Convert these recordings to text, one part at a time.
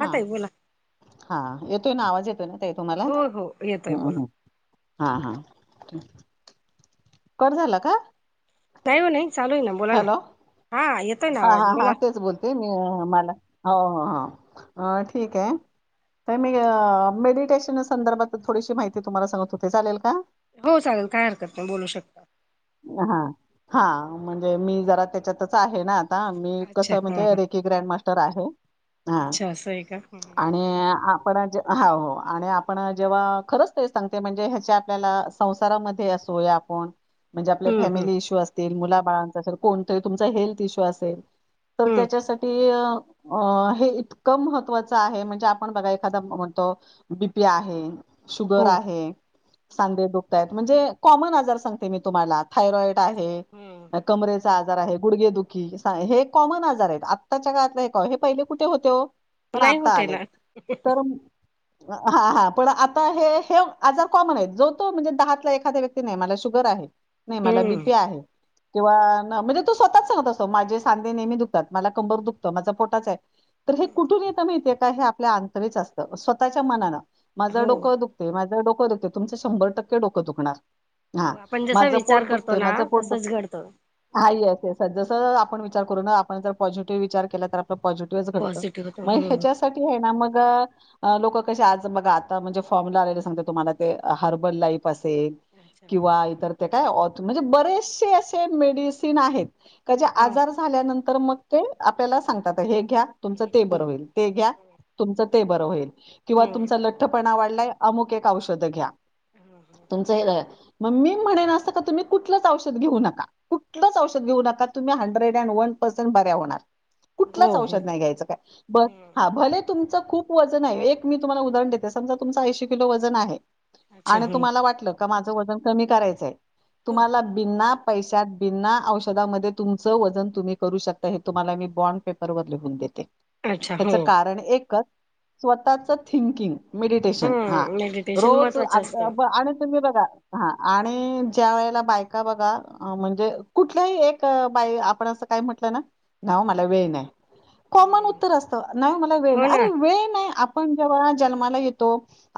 हा ताई बोला हा येतोय ना आवाज येतोय ना ताई तुम्हाला. हो हो येतोय बोला हा -हा. कट झाला का. नाही हो नाही चालू आहे ना, बोला ना हा येतोय. ना आवाज हा-हा-हा बोला तेच बोलते मी मला हो-हो-हो ठीक आहे. तर मी मेडिटेशन संदर्भात थोडीशी माहिती तुम्हाला सांगत होते, चालेल का. हो चालल, काही हरकत नही, बोलू शक हां हां, म्हणजे मी जरा त्याच्यातच, आहे ना. ता, मी अच्छा कसं हा म्हणजे, हा रेकी ग्रँड मास्टर आहे, हा. [unintelligible] आणि आ पण ज अहा, हो आणि आपण जेव्हा, खरंच तेच सांगते, म्हणजे ह्याच्या आपल्याला, संसारामध्ये असो, या कोन? म्हणजे आपले हम्म फॅमिली इशू असतील, मुलाबाळांचा [unintelligible] कोणतही, तुमचा हेल्थ इशू असेल तर, हम्म त्यांच्या साठी अ अ हे इतकं महत्त्वाचं आहे, म्हणजे आपण बघा, एखादा म्हणतो, बीपी आहे हो शुगर आहे, सांधे दुखतायत, म्हणजे कॉमन आजार सांगते, मी तुम्हाला. थायरॉइड अच्छा आहे, हम्म कमरेचा आजार आहे, गुडगेदुखी हे कॉमन आजार आहेत, आत्ताच्या काळात ल का, हे पहिले, कुठे होते? पण, नाही आता होते ना आलेत, तर म अ हा हा, पण आता हे, हे आजार कॉमन येत, जो तो, म्हणजे दहातला एखादा व्यक्ती, नही मला शुगर आहे. नही, मला बी हम्म पी आहे, किंवा ण, म्हणजे तो स्वतःच सांगत असतो, माझे खांदे नेहमी दुखतात, मला कंबर दुखतं, माझा पोटाचा य, तर हे कुठून येतं, माहिती ये का? हे आपल्या आं घरीचं असत, स्वतःच्या मनानं, माझं हो डोकं दु ते माझं डोकं दुखतं, तुमचं शंभर टक्के, डोकं दुखणार हो हां, आपण जसा माझं विचार पोट करतो दुखतंय, ना माझं पोट दुख तसंच घडतं हां, येस-येस, जस आपण विचार करू ना, आपण जर पॉझिटिव्ह विचार केला, तर आप त पॉझिटिव्हच घडतं, पॉझिटिव्ह होत म हम्म ह्याच्यासाठी, हे ना मग अं लोकं, कशे आज बघा आता, म्हणजे फॉर्मला आलेले सांगते, तुम्हाला ते हर्बल लाईफ असेल अच्छा किंवा इतर, ते काय औत्, म्हणजे बरेचशे अशे मेडिसीन, आहेत. का जे हा आजार झाल्यानंतर, मग ते आपल्याला सांगतात, हे घ्या तुमचं, ते हो बरं होईल ते घ्या, तुमचं ते बरं होईल, किंवा हम्म तुमचा लठ्ठपणा वाढलाय, अमुक एक औषध घ्या, हां हां. तुमचं हे [unintelligible] मं, मी म्हणेन असं का, तुम्ही कुठलंच औषध घेऊ नका, कुठलंच औषध घेऊ नका, तुम्ही हंड्रेड त्यानं वन परसेंट बऱ्या होणार, हो कुटलच हो औषध नाय घ्यायच काय, ब हम्म हां भले तुमचं खूप वजन हाये, एक मी तुम्हाला उदाहरण देते, समजा तुमंच ऐंशी किलो, वजन आहे. अच्छा आणि हो तुम्हाला वाटलं, का माझं वजन कमी करायचंय, तुम्हाला बिना पैशात, बिना औषधामध्ये, तुमचं वजन तुम्ही करू शकता, हे तुम्हाला मी बॉड पेपर वर, लिहून देते, अच्छा हो त्याचं कारण एकच स्वतःच थिंकिंग, मेडिटेशन, हां हम्म मेडिटेशन रोज, आ महत्त्वाचं असतं ब आणि तुम्ही बघा हा आणि ज्या वेळेला, बायका बघा, अ म्हंजे कुठल्याही, एक बाई आपण असं काय म्हटलं ना, नाय व मला वेळ नाय. कॉमन हम्म उत्तर असतं, नाय ओ, मला वेळ हो नाय, ना अरे वेळ नाई, आप आपण जेव्हा जल्माला येतो,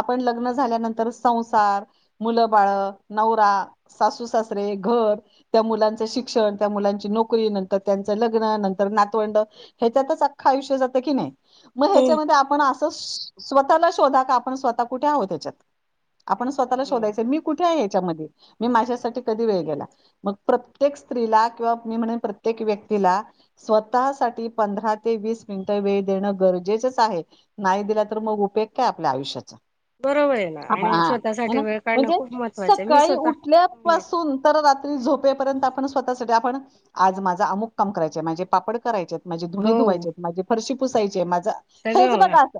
आपण लग्न झाल्यानंतर, संसार मुलं-बाळ, नवरा, सासू-सासरे, घर त्या मुलांचं शिक्षण, त्या मुलांची नोकरी, नंत् तं त्याचं लग्न, नंतर नातवंड, ह्याच्यातच अख्खं आयुष्य, जात की नाई? म ह्याच्यामधे आप आपण असं, स्वतःला शोधा का, आपण स्वतः कुठे आहोत ह्याच्यात? आपण अच्छा स्वतःला हम्म शोधायचं, मी कुठेय, ह्याच्यामधे मी माझ्यासाठी हम्म कधी वेळ गेला, मंग प्रत्येक स्त्रीला, किवा मी म्हणन प्रत् प्रत्येक व्यक्तीला स्वतः साठी पंधरा ते वीस मिनटं वेळ देणं गरजेचच आहे? नाई दिला तर मग उपेग काय आपल्या आयुष्याचा? बरोबर आहे ना आणि [unintelligible] है ना स्वतःसाठी वेळ काढणं म्हजे खूप महत्त्वाचं आहे मी सकाळी स्वतः उठल्या हम्म पासुन तर रात्री झोपेपर्यंत आपण स्वतःसाठी आपण आज माझं अमुक काम करायच माजे पापड. करायचेत माझी धुनी हो धुवायचेत माझी फरशी पुसायचीय माझ हेच सगळं बघा आता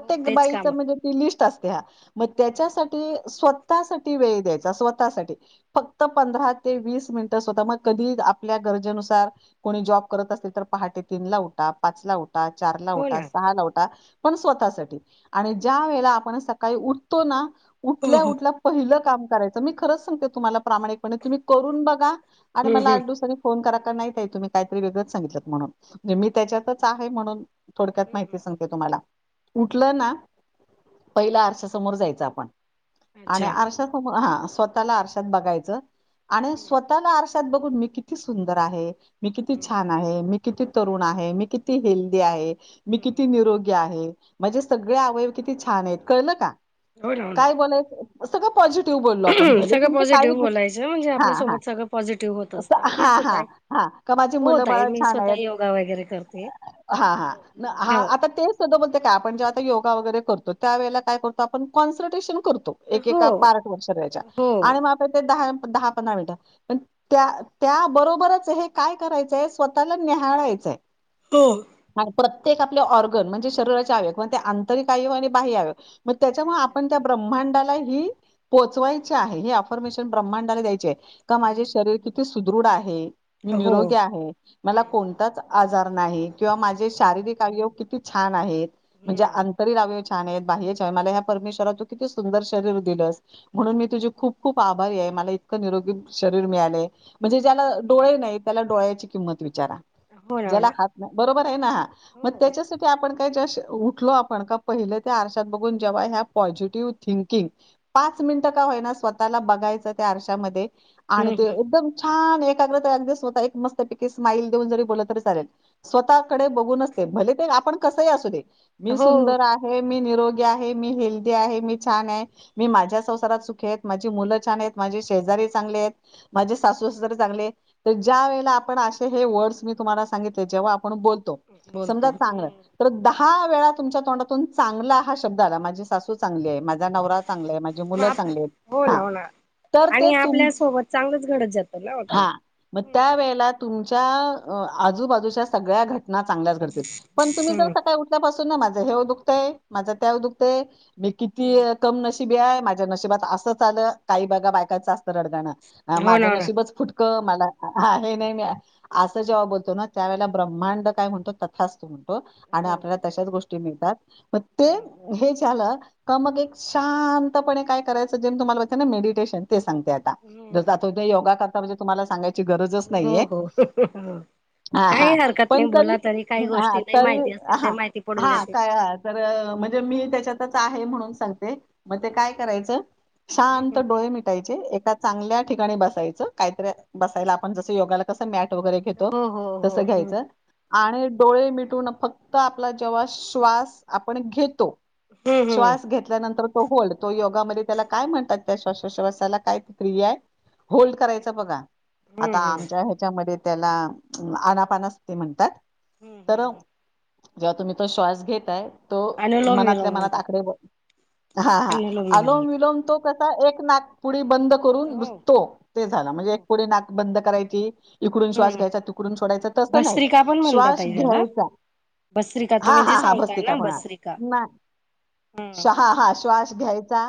हो तेच बाईच काम म्हजे ती लिस्ट असते हा म त्याच्यासाठी. टी स्वतःसाठी वेळ द्यायचा स्वतःसाठी. फक्त पंधरा ते वीस मिंनट स्वता मग कधी आपल्या गरजेनुसार. कोणी जॉब करत असेल तर पहाटे तीन ला उठा? पाच ला उठा चार ला हो उठा ना सहा ला उठा. पण स्वतःसाठी आणि ज्या वेळेला आपण सकाळी उठतो ना हो उठल्या हो उठल्या पहिलं काम करायचं मी खरंच सांगते तुम्हाला प्रामाणिकपणे तुम्ही करून बघा आणि हम्म मला हम्म आठ दिवसानी? फोन करा का नाई ताई तुमी कायतरी वेगळंच सांगितलंत म्हणून मी त्याच्यातच आहे म्हणून? थोड्यात हम्म माहिती हम्म सांग तुम्हाला उठलं ना पहिलं आरश्या समोर जायचं आपण? आणि अच्छा आरशासमोर हा स्वतःला आरशात बघायचं आणि हम्म स्वत ला आरशात बघून मी किती सुंदर आहे मी किती हम्म छान? मी किती तरुण आहे मी किती हेल्दी आहे मी किती हम्म निरोगी आहे? माजे सगळे आवयव किती छान आहेत कळलं का हो ना हो ना काय बोलायचं? सगळं पॉझिटिव्ह बोललो आपण भले सगळं तुमचं काही पॉझिटिव्ह दु बोलायच म्हणजे हा आपल्या हा सोबत सगळं पॉझिटिव्ह होतच. असं मी हा हा स्वताय हा का माझी मुलं बाळ छान आहेत वगैरे करते हा हा हा हो आता तेच [unintelligible] काय आपण जे आता योगा वैगेरे करतो त्यावेेळेला काय करतो आपण काॅन्संट्रेशन करतो. एकेका हो पार्टवर शरीराच्या हो आणि म आप ते दहा दहा पंधरा मिनिटं पण त्या त्याबरोबरच हे काय करायचंय स्वतःला निहाळायचंय. हो. हा प्रत्येक आपले ऑर्गन म्हणजे शरीराचे अवयव किंवा ते आंतरिक अवयव आणि बाह्य अवयव मग त्याच्यामुळे अच्छा आपण त्या हो ब्रह्मांडाला ही. की हम्म पोचवायचे आहे हे अफर्मेशन ब्रह्मांडाला द्यायचे आहे का माझे अच्छा शरीर कि ती सुदृढ आहे, मी हो निरोगी आहे, मला हम्म कोणताच आजार नाही किंवा माझे शारीरिक अवयव किती छान आहेत म्हणजे आं हम्म तरी अवयव छान आहेत बाह्य छान आहे मला ह्या परमेश्वरा तू किती सुंदर शरीर दिलंस म्हणून मी तुझी खूप खूप आभारी आहे मला इतकं निरोगी शरीर मिळालंय म्हणजे ज्याला अच्छा हम्म डोळे नाही त्याला डोळ्याची किंमत विचारा हो ना हो ज्याला ना हात नाही बरोबर आहे ना हो मग त्याच्यासा ठी आपण काय जसं उठलो आपण का पहिलं त्या आरशात बघून जेव्हा ह्या पॉझिटिव्ह थिंकिंग पाच मिनटं का होईना स्वतःला बघायचं त्या आरश्यामध्ये आणि हम्म ते हम्म एकदम छान एक लागलं तर अगदी स्वतः एक मस्तपैकी स्माईल देऊन जरी बोललं तरी चालेल. स्वतःकडे बघूनचं ते भले ते आपण कसंही असूदे मी हो सुंदर हाय हे मी निरोगी आहे, मी हेल्दी आहे, मी छान आहे. मी माझ्या संसारात सुखी आहेत, माझी मुलं छान आहेत, माझे शेजारी चांगले आहेत, माझे सासु सासरे चांगले आहेत. तर ज्या वेळेला आपण असे हे वर्ड्स मी तुम्हाला सांगितले जेव्हा आपण बोल तो समजा बोलतो चांगलं हम्म तर दा हा वेळा तुमच्या तोंडातून चांगला हा शब्द आला माझी सासू चांगली आहे माझ झा नवरा चांगलाय माझी मग मुलं आप- चांगली आहेत हो ना हा. हो ना तर ते आणि तुम आपल्या सोबत चांगलंच घडत जातं ना हो ताई. हम्म त्या वेळेला तुमच्या अ आजूबाजूच्या सगळ्या घटना चांगल्याच घड ते पण तुम्ही जर हम्म सकाळी उठल्यापासून ना माझं हेव दुखतंय माझं त्याव दुखतंय मी किती हम्म कम नशिबी आहे माझ्या नशिबात असंच आलं काही बघा बायकांचा अस तं रडगा ना हो ना माझं हो ना नशीबच फुटकं मला हा हे नाही मी असं जेव्हा बोलतो ना त्यावेेळेला ब्रह्मांड काय म्हणतो तथास्तु तो आणि हो आपल्याला तशाच गोष्टी मिळतात म ते हम्म हे झालं का मग एक शांतपणे काय करायचं जे मी तुम्हाला बोलते ना मेडिटेशन ते सांगते आता ते हम्म जातो तो योगा करता म्हणजे तुम्हाला सांगाय ची गरजचं हो नाही आहे. हो हो. काही आहा हरकत पण नाही तरी बोला काही हा गोष्टी नाही तरी माहिती असतील हा त्या माहिती पडून हा जातील काय अ तर म्हणजे मी त्याच्यातच आहे म्हणून सांगते म ते काय करायचं हम्म, शांत हम्म. डोळे मिटायचे एका चांगल्या ठिकाणी बसायचं काहीतरी बसायला आपण जसं योगाला कसं मॅट वगैरे घेतो हो हो हो तसं हम्म घ्यायचं आणि डोळे मिटून फक्त आपला जेव्हा श्वास आपण घेतो हम्म श्वास हम्म घेत ल्यानंतर तो होल्ड, तो योगामध्ये त्याला काय म्हणतात त्या श्वासोश्वासाला काय क्रिया आहे? होल्ड करायचा बघा. आता हम्म हम्म आमच्या ह्याच्यामध्ये त्याला आनापाणाच ते म्हणतात हम्म, तर हम्म. जेव्हा तुम्ही तो श्वास घेताय तो अनुलोम मनातल्या विलोम मनात म्हणतो आकडे बो हा हा आलोम विलोम तो कसा आहे एक नाकपुडी बंद करून हो बुसतो ते झालं म्हणजे हो एक पुडी नाक बंद करायची इकडून हम्म श्वास घ्यायचा तिकडून सोडायचा तसं नाही भस्त्रिका पण म्हणतात श्वास आई त्याला घ्यायचा भस्त्रिका हा तुम्ही जे हा हा सांगताय भस्तिका ना पण हाय भस्त्रिका नाय हम्म शा हा हा श श्वास घ्यायचा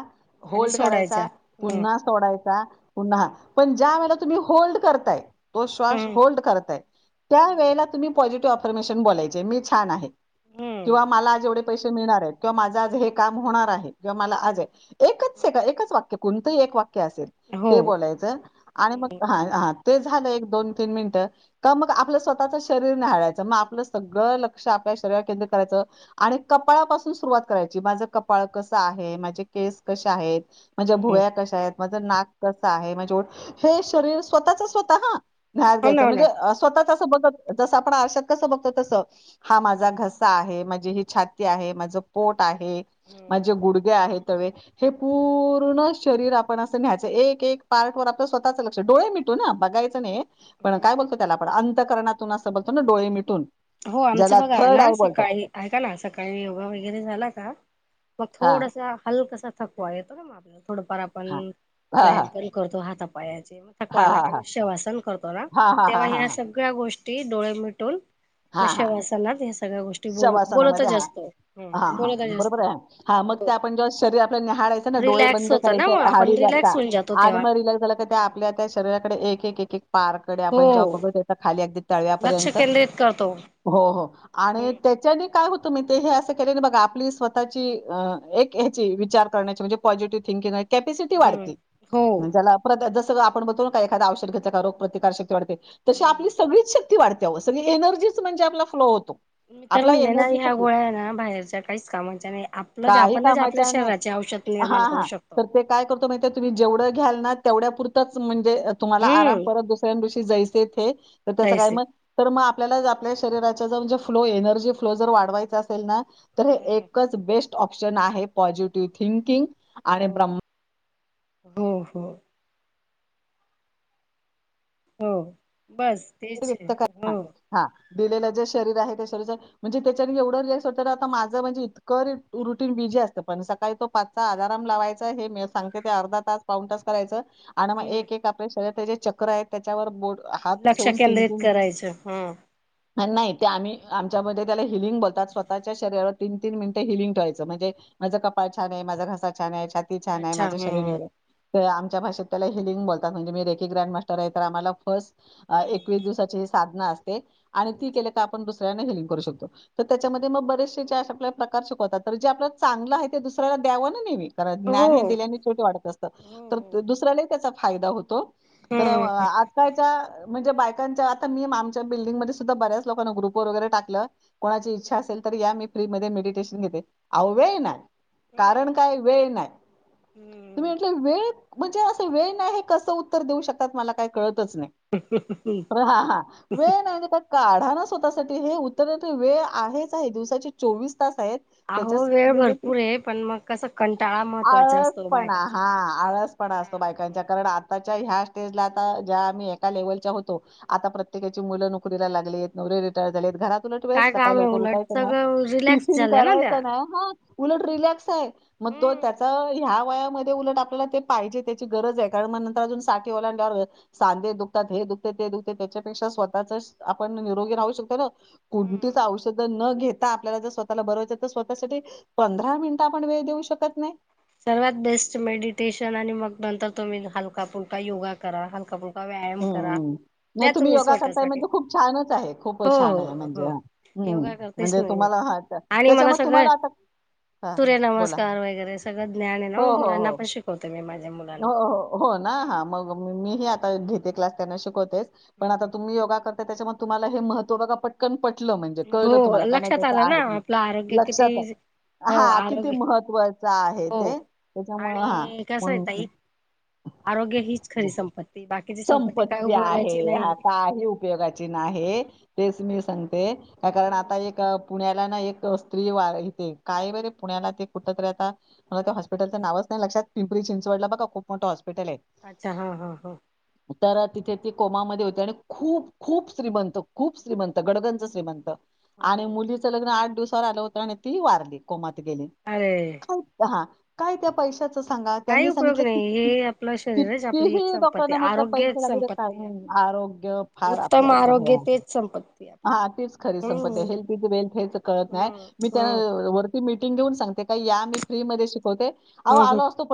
आणि होल्ड सोडायच्या करायचा हम्म पुन्हा सोडायचा पुन्हा पण ज्या वेळेला तुम्ही होल्ड करताय तो श्वास हम्म होल्ड करताय त्या हम्म वेळेला तुम्ही पॉजितिव अफरमेशन बोलायचे मी छान आहे किंवा हम्म मला जेवढे पैशे मिळणार आहेत किंवा माझं आज हे काम होणार आहे किंवा मला आज आहे एकच सेक एकच वाक्य कोणतही एक वाक्य असेल हो ते बोलायचं आणि मग हाय हा ते झालं एक दोन तीन मिनिटं. तव्हा मग आपलं स्वतःच शरीर नाही निहाळायचं म आपलं सगळं लक्ष आपल्या शरीरावर केंद्रित करायचं. आणि कपाळापासून सुरुवात करायची माझं कपाळ कसं आहे माझे केस कशे आहेत माझ्या हम्म भुव्या कशा आहेत माझं नाक कसं आहे म्हणजे ओठ हे शरीर स्वतःचा स्वत हा न्यास हो ना घ्यायचं हो म्हणजे ना स्वतःच असं बघत जसं आपण आरशात कसं बघतो तसं हा माझा हम्म घस सा आहे, माझी ही छाती आहे, माझं पोट आहे, माझे गुडगे आहे तवे हे पूर्ण शरीर आपण असं न्याहायचं एक एक पार्ट वर आपलं स्वतःच ल क्ष डोळे मिटून हा बघायचं नाही पण काय हम्म बोलतो त्याला आपण अंतकरणातून असं बोलतो ना डोळे मिटून. हो आमचं ज्याला बघा थर्ड ना आय बोलतात सकाळी ऐका ना सकाळी योगा वगैरे झाला का मग हा थोडासा हलका सा थकवा येतो ना म आपल्या थोडंफार आपण हा हा व्यायाम हा पण करतो हातपायाचे म थकवा हा आला हा का हा मग शेवासन ना हा हा तेव्हा हा ह्या हा सगळ्या गोष्टी डोळे मिटून म शवासला व्यस शवासनामध्ये हा हा हम्म हा बोलतच बरोबर असतो आहे हा मग ते आपण जेव्हा शरीर आपल्या निहाळाय च ना डोळे रिलॅक्स बंद होत ना करायचे [unintelligible] मग आपण रिलॅक्स होऊन जातो आणि तेव्हा मग रिलक्स झाला का त्या आपल्या त्या शरीराकडे एक एक एक पार्टकडे हो आपण जेव्हा बघत खाली अगदी लक्ष तळव्यापर्यंत. केंद्रित करतो हो हो हम्म आणि त्या. त्यानी काय होतो माहीतेय ते हे असं केले बघा आपली स्वतःची एक ह्याची विचार करण्याची म्हणजे. पॉजीटीव्ह थिकिंग हाय. कॅपॅसिटी हम्म वाढती, हो म्ह ज्याला जसं आपण म्हणतो ना का एखादा औषध घेतच का रोग प्रतिकार शक्ती वाढते‌. तशी आपली हम्म सगळीच शक्ती वाढतेव सगळी एनर्जी म्हणजे आपला फ्लो होतो. मी तर आपला म्हणले ना एनर्जीचा ह्या फ्लो गोळ्या ना बाहेरच्या काहीच कामाच्या नाही आपलं काही आपणच आपल्या कामाच्या नाही शरीराचे औषध. निर्माण हां, करू हां. शकतो. तर ते काय करतो माहिती आहे तुम्ही जेवढं घ्याल ना तेवढ्या पुरंतच म्हणजे. तुम्हाला आराम हम्म परत दुसऱ्या दिवशी जायसे थे तर त्याचं काय तैसे मग. तर मग आपल्याला आपल्या शरीराच्या जर म्हणजे फ्लो एनर्जी फ्लो जर वाढवायचा असेल ना. तर हे हम्म हम्म. एकच बेस्ट ऑप्शन आहे पॉझिटिव्ह थिंकिंग. आणि हो ब्रह्मा हो हो. हो बस. तेच आहे व्यक्त क ह हो. हा दिलेलं जे शरीर आहे त्या शरीर. म्हणजे त्याच्या एवढं रिलक्स वाटतं ना आता माझं म्हणजे इतकं रुटीन बीजी असत पण सकाळी त पाचचा अलार्म लावायचा हे मी सांगते ते अर्ध तास पाऊन तास करायच. आणि मग हम्म. एक एक आपल्या शरीरचे जे चक्र आहेत त्याच्यावर बोट हात- लक्ष केंद्रित करायचं हा. ह नाही ते आम्ही आमच्यामध्ये त्याला हिलिंग बोलतात स्वतःच्या शरीरा तीन तीन मिनटे हिलिंग ठेवायच म्हणजे माझ कपाळ छान आहे, माझा घसा छान आहे, छाती ती छान आहे, अच्छा माझ्या शरीरा हम्म. व आमच्या भाषेत त्याला हिलिंग बोलतात म्हणजे मी रेकी ग्रँडमास्टर आहे तर आम्हाला फर्स्ट. एकवीस दिवसाची साधनां असते आणि ती केले का आपण दुसऱ्यांना हेलिंग करू शकतो. तर त्याच्यामध्ये मग बरेचसे जे आपले प्रकार शिकवतात तर जे आपल्याला चांगलं आहे ते दुसऱ्याला द्यावं ना नेहमी. कारण हो हो ज्ञान हे दिल्याने थोडी वाढत असतं तर हो दुसऱ्यालाही त्याचा फायदा होतो. तर हम्म हम्म. आजकालच्या. म्हणजे बायकांच्या आता मी आमच्या बिल्डिंगमध्ये सुद्धा बऱ्याच लोकांना ग्रुप वगैरे टाकलं. कोणाची इच्छा असेल तर या मी फ्री मध्ये मेडिटेशन घेते. अहो वेळ नाही कारण काय वेळ नाही तु्ही हम्म म्हटलं वेळ- म्हणजे असं वेळ नाही कसं उत्तर देऊ शकतात मला काय कळतच नाही ह हम हम. हा हा वेळ नाही आणि काय काढा ना स्वतःसाठी हे उत्तर वेळ आहे आहेच काय दिवसाचे चोवीस तास आहेत. अहो त्याच्या वेळ साठी, भरपूर आहे पण मग कसं कंटाळा महत्त्वाचा आळस असतो पणा हा बायकांसाठी. आळसपणा. आळस पणा असतो कंटाळा बायकांचा हं. कारण आताच्या ह्या स्टेजला आता ज्या आम्ही एका लेवल च्या होतो. आता प्रत्येकाच्या मुलं नोकरीला लागलेत नवरे रिटायर झालेत. तुला ट्रेस काय सकाळी काम आहे लवकर उलट उठायचं नाही सगळं रिलॅक्स टिफिन झाल्या ना त्या. करायचा नाही. उलट रिलॅक्स आहे मग तो हम्म त्याचा ह्या वयामध्ये उलट आप पाहिजे त्याची गरज आहे, कारण मग नंतर अजून साठी ओलांडल्यावर आणि सांधे दुखतात हे दुखतं ते दुखत त्याच्यापेक्षा स्वतः आपण निरोगी राहू शकतो ना हम्म. कोणतीच औषध न घेता. आता आपल्याला जर स्वतःला बर व्हायच तर स्वतःसाठी पंधरा मिनिटं आपण वेळ देऊ शकत नाही. सर्वात बेस्ट मेडिटेशन आणि मग नंतर तुम्ही हलका फुलका योगा करा हलका फुलका व्यायाम हं, करा हं. नाही द्या तुम्ही योगा करताय स्वतःसाठी, म्हणजे खूप छानच आहे. खूप हो छान आहे हो म्हणजे हो हां. हं. योगा करतेच म्हणजे नाही मी तुम्हाला हां, त्या आणि मला त्याच्यामुळे सगळं ज्ञान आहे तुम्हाला आता हां, बोला. सूर्यनमस्कार वगैरे सगळं ज्ञाान आहे हो, ना मग हो, मुलांना हो. पण शिकवते मी माझ्या हो, मुलांना. हो ना हा मग मी ही आता घेते क्लास त्यांना शिकवतेच. पण आता तुम्ही योगा करताय त्याच्यामुळे आता तुम्हाला हे महत्व बघा प टकन पटलं म्हणजे हो कळलं तुम्हाला काय ना लक्षात कायतर आलं आहेच म्हणून आपलं आरोग्य किती लक्षात आहे. हो हां किती आरोग्य महत्वाच आहे हो ते त्याच्यामुळं.. हा आणि कसं आहे ताई म्हणून आरोग्य हीच बोला. खरी संपत्ती बाकीची संपत्ती काय आहे, उपयोगायची हा नाही. काही उपयोगाची नाही तेच मी सांगते. का कारण हम्म, आता एक ह पुण्याला ना एक स्त्री वा इथे काय बरे पुण्याला ते कुठं तरी आता मला त्या हम्म. हॉस्पिटल नावच नाही लक्षात पिंपरी चिंचवडला बघा खूप मोठं हॉस्पिटल आहे. अच्छा... हा हा हा.. तर तिथे ती कोमामध्ये होती. आणि खूप खूप श्रीमंत, खूप श्रीमंत गडगंच श्रीमंत. आणि हो मुलीचं लग्न आठ दिवसावर आलं होतं आणि ती वारली कोमात गेली. अरेरे... हा काय त्या पैशाच सांगा काही त्यांनी उपयोग सांगितलं कि नाही हे आपलं शरीरच आपली एक कितीही डॉ संपत्ती म्हटलं पैसे आरोग्यच लागू संपत्ती आहे. कार आरोग्य फार उत्तम आपलं आरोग्य महत् तेच संपत्ती आपली हा तीच खरी संपत हाय. हम्म हेल्थ इज वेल्थ हेच कळत न्हाय हम्म मी त्याना हम्म वरती मीटिंग घेऊन सांगते का या कि मी फ्री मध्ये शिकवते. अहो हम्म हम्म. आलॊ असतो पण